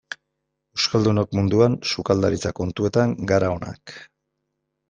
Euskaldunok munduan sukaldaritza kontuetan gara onak.